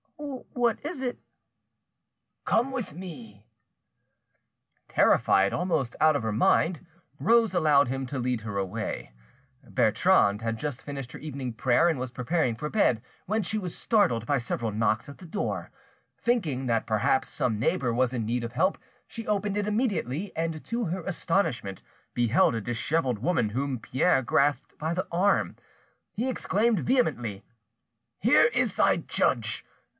"What is it?" "Come with me." Terrified almost out of her mind, Rose allowed him to lead her away. Bertrande had just finished her evening prayer, and was preparing for bed, when she was startled by several knocks at her door. Thinking that perhaps some neighbour was in need of help, she opened it immediately, and to her astonishment beheld a dishevelled woman whom Pierre grasped by the arm. He exclaimed vehemently— "Here is thy judge!